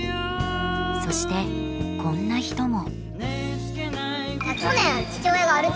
そしてこんな人も。